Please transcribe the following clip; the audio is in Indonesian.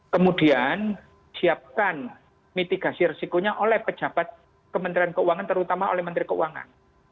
kemudian siapkan mitigasi resikonya oleh pejabat kementerian keuangan terutama oleh menteri keuangan